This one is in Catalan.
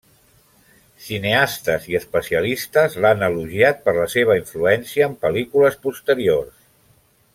Cineastes i especialistes l'han elogiat per la seva influència en pel·lícules posteriors.